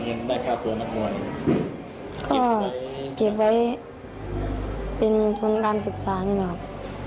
เห็นได้ค่าตัวนักมวยเก็บไว้เป็นทุนการศึกษานี่แหละครับ